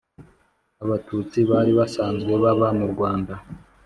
abatutsi bali basanzwe baba mu rwanda